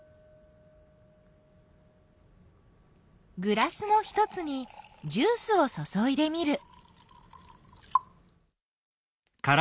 グラスの一つにジュースをそそいでみる。